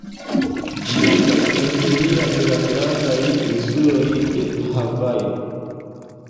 Ĝi estas endemia de la grandaj insuloj de Havajo.